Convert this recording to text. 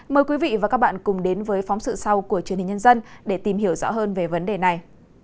mời quý vị và các bạn cùng đến với phóng sự sau của truyền hình nhân dân để tìm hiểu rõ hơn về vấn đề này